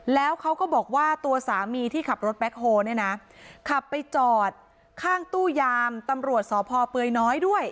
แล้วเขาก็บอกว่าตัวสามีที่ขับรถแบ็คโฮเนี่ยนะขับไปจอดข้างตู้ยามตำรวจสพเปลือยน้อยด้วย